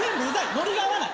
ノリが合わない。